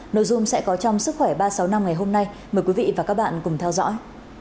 nội dung sẽ có trong sức khỏe ba trăm sáu mươi năm ngày hôm nay mời quý vị và các bạn cùng theo dõi